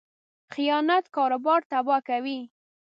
خیانت کاروبار تباه کوي.